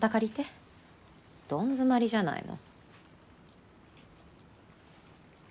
どん詰まりじゃないの。